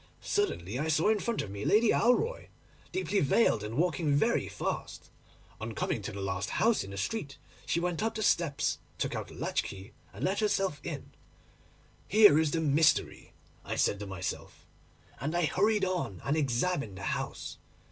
Suddenly I saw in front of me Lady Alroy, deeply veiled and walking very fast. On coming to the last house in the street, she went up the steps, took out a latch key, and let herself in. "Here is the mystery," I said to myself; and I hurried on and examined the house.